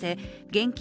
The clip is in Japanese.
現金